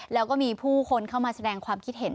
แล้วก็มีผู้คนเข้ามาแสดงความคิดเห็น